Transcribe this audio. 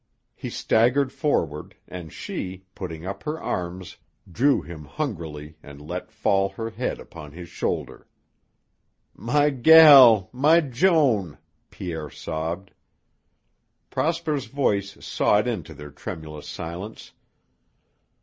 He staggered forward, and she, putting up her arms, drew him hungrily and let fall her head upon his shoulder. "My gel! My Joan!" Pierre sobbed. Prosper's voice sawed into their tremulous silence.